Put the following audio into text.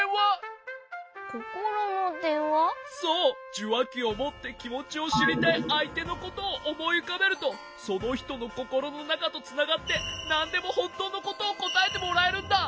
じゅわきをもってきもちをしりたいあいてのことをおもいうかべるとそのひとのココロのなかとつながってなんでもほんとうのことをこたえてもらえるんだ。